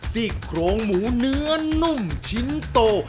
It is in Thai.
ซี่โครงหมูเนื้อนุ่มชิ้นโต